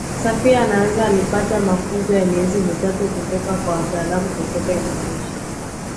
Safia anasema alipata mafunzo ya miezi mitatu kutoka kwa mtaalamu kutoka Indonesia